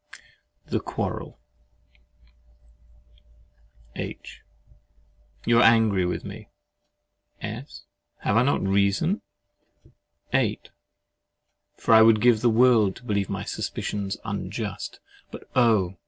THE QUARREL H. You are angry with me? S. Have I not reason? H. I hope you have; for I would give the world to believe my suspicions unjust. But, oh!